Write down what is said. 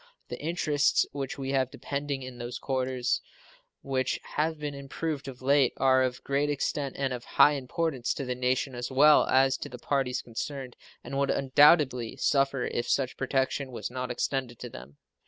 The interests which we have depending in those quarters, which have been much improved of late, are of great extent and of high importance to the nation as well as to the parties concerned, and would undoubtedly suffer if such protection was not extended to them.